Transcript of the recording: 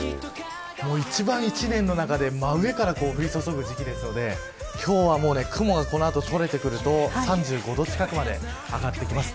一番、一年の中で真上から降り注ぐ時期ですので今日は雲がこの後取れてくると３５度近くまで上がります。